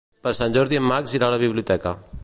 Per Sant Jordi en Max irà a la biblioteca.